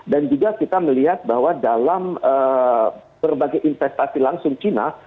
dan juga kita melihat bahwa dalam berbagai investasi langsung cina